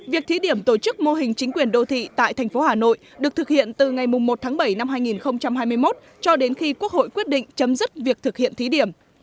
việc thí điểm tổ chức mô hình chính quyền đô thị tại thành phố hà nội được thực hiện từ ngày một tháng bảy năm hai nghìn hai mươi một cho đến khi quốc hội quyết định chấm dứt việc thực hiện thí điểm